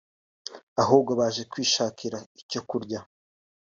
ahubwo baje kwishakira icyo kurya